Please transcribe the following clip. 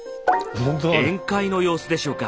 宴会の様子でしょうか？